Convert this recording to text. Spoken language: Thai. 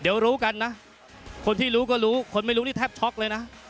เดี๋ยวรู้กันนะคนที่รู้ก็รู้คนไม่รู้นี่แทบช็อกเลยนะ